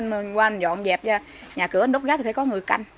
rừng qua anh dọn dẹp ra nhà cửa anh đốt ghé thì phải có người canh